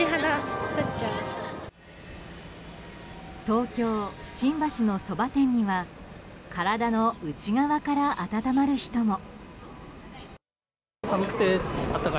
東京・新橋のそば店には体の内側から温まる人も。